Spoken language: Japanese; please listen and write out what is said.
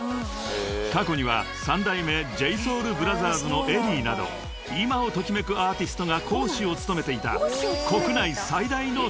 ［過去には三代目ＪＳＯＵＬＢＲＯＴＨＥＲＳのＥＬＬＹなど今を時めくアーティストが講師を務めていた］